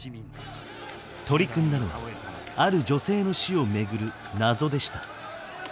取り組んだのはある女性の死を巡る謎でした。